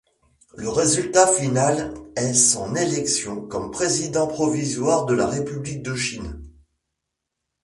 Le résultat final est son élection comme président provisoire de la République de Chine.